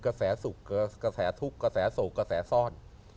กระแสสุขกระแสทุกข์กระแสโศกกระแสซ่อน